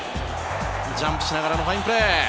ジャンプしながらのファインプレー。